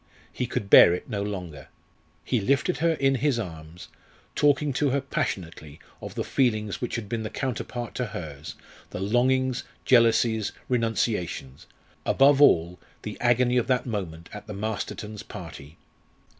He could bear it no longer. He lifted her in his arms, talking to her passionately of the feelings which had been the counterpart to hers, the longings, jealousies, renunciations above all, the agony of that moment at the Mastertons' party.